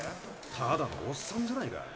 ただのおっさんじゃないか。